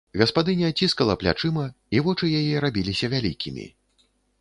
Гаспадыня ціскала плячыма, і вочы яе рабіліся вялікімі.